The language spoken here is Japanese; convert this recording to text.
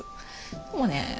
でもね